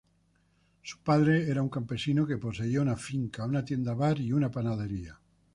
Su padre era un campesino que poseía una finca, una tienda-bar y una panadería.